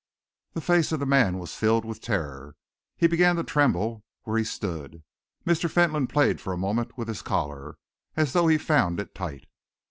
The face of the man was filled with terror. He began to tremble where he stood. Mr. Fentolin played for a moment with his collar, as though he found it tight.